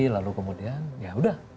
lalu kemudian yaudah